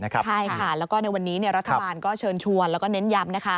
ใช่ค่ะแล้วก็ในวันนี้รัฐบาลก็เชิญชวนแล้วก็เน้นย้ำ